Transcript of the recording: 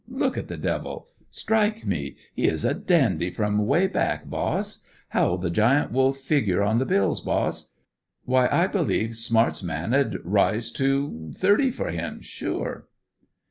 Look at the devil! Strike me! He is a dandy from way back, boss. How'll the Giant Wolf figure on the bills, boss? Why I believe Smart's man'd rise to thirty for him, sure."